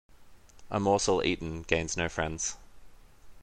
A morsel eaten gains no friend.